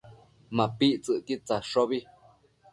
MapictsËquid tsadshobi